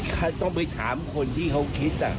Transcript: ก็ต้องไปถามคนที่เขาคิดอ่ะ